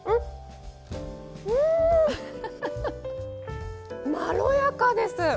うんまろやかです！